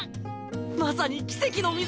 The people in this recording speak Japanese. まさに奇跡の水！